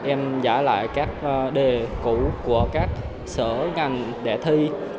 em giả lại các đề cũ của các sở ngành để thi